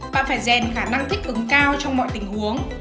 và phải rèn khả năng thích ứng cao trong mọi tình huống